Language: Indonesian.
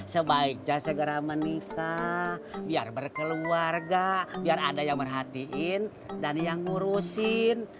sebaiknya segera menikah biar berkeluarga biar ada yang merhatiin dan yang ngurusin